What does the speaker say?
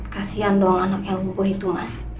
kasian dong anaknya buku itu mas